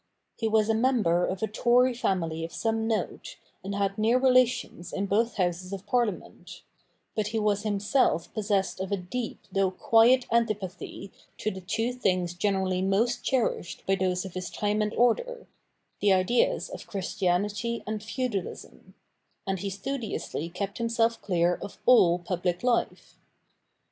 He was a member of a Tory family of some note, and had near relations in both Houses of Parliament ; but he was himself possessed of a deep though quiet antipathy to the two things generally most cherished by those of his time and order, the ideas of Christianity and Feudalism ; and he studiously kept himself clear of all public life.